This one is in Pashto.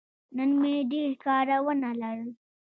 نن مې ډېر کارونه لرل.